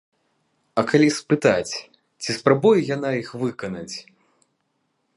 А калі спытаць, ці спрабуе яна іх выканаць?